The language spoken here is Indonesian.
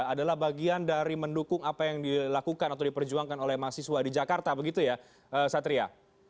adalah bagian dari mendukung apa yang dilakukan atau diperjuangkan oleh mahasiswa di jakarta begitu ya satria